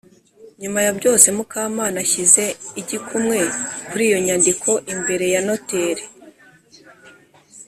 nyuma yabyose mukamana ashyize igikumwe kuri iyo nyandiko imbere ya noteri,